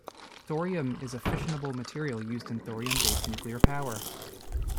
Thorium is a fissionable material used in thorium-based nuclear power.